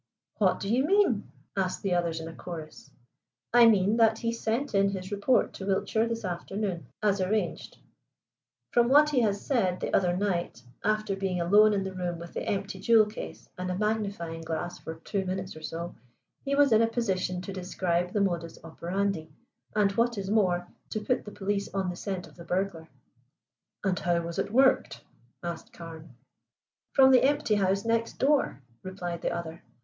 "What do you mean?" asked the others in a chorus. "I mean that he sent in his report to Wiltshire this afternoon, as arranged. From what he said the other night, after being alone in the room with the empty jewel case and a magnifying glass for two minutes or so, he was in a position to describe the modus operandi, and, what is more, to put the police on the scent of the burglar." "And how was it worked?" asked Carne. "From the empty house next door," replied the other.